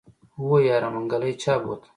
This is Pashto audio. هو يره منګلی چا بوته.